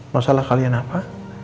masalah kalian apa